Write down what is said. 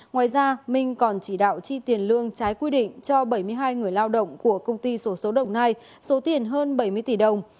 ngoài ra minh còn chỉ đạo chi tiền lương trái quy định cho bảy mươi hai người lao động của công ty sổ số đồng nai số tiền hơn bảy mươi tỷ đồng